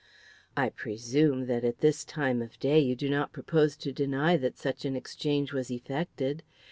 I presume that at this time of day you do not propose to deny that such an exchange was effected.